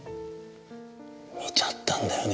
見ちゃったんだよね